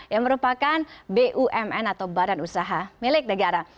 yang merupakan bumn atau badan usaha milik negara